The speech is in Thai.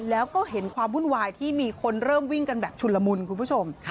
แล้วก็เห็นความวุ่นวายที่มีคนเริ่มวิ่งกันแบบชุนละมุนคุณผู้ชม